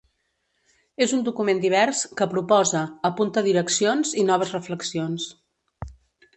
És un document divers, que proposa, apunta direccions i noves reflexions.